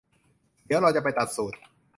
เดี๋ยวเราจะไปตัดสูท